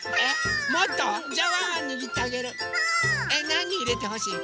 なにいれてほしい？